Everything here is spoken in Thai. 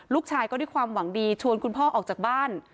ลูกชายก็ด้วยความหวังดีชวนคุณพ่อออกจากบ้าน